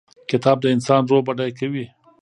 کتاب د انسان روح بډای کوي.